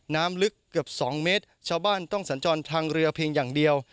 น้ำลึกเกือบสองเมตรชาวบ้านต้องสัญจรทางเรือเพียงอย่างเดียว